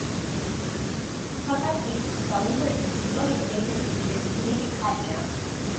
ხორვატიის და უნგრეთის ისტორიის ერთ-ერთი უდიდესი გმირი ქალი.